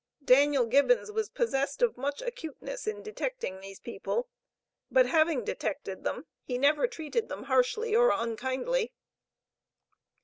Daniel Gibbons was possessed of much acuteness in detecting these people, but having detected them, he never treated them harshly or unkindly.